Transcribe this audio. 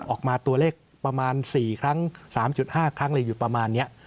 ออกมาตัวเลขประมาณ๔ครั้ง๓๕ครั้งอะไรอยู่ประมาณนี้